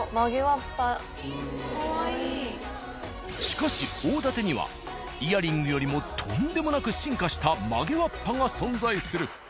しかし大館にはイヤリングよりもとんでもなく進化した曲げわっぱが存在する。